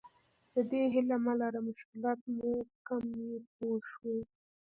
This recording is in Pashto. د دې هیله مه لره مشکلات مو کم وي پوه شوې!.